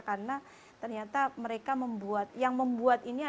karena ternyata mereka membuat yang membuat ini adalah